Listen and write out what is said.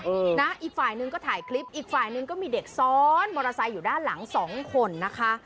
นะอีกฝ่ายหนึ่งก็ถ่ายคลิปอีกฝ่ายหนึ่งก็มีเด็กซ้อนมอเตอร์ไซค์อยู่ด้านหลังสองคนนะคะ